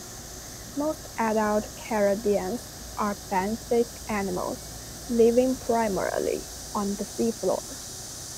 Most adult carideans are benthic animals living primarily on the sea floor.